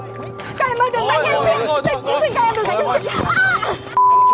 các em ơi đừng đánh em chị